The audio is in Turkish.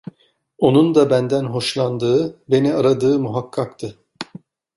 Onun da benden hoşlandığı, beni aradığı muhakkaktı.